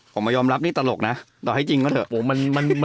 ผมมายอมรับนี่ตลกนะต่อให้จริงก็เถอะ